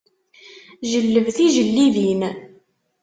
Jelleb tijellibin.